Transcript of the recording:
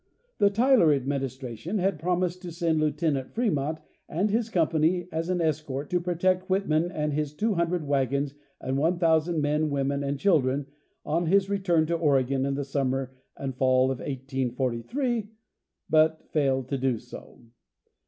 The Tyler administration had promised to send Lieutenant Fré mont and his company as an escort to protect Whitman and his 200 wagons and 1,000 men, women and children on his return to Oregon in the summer and fall of 1843, but failed to do so.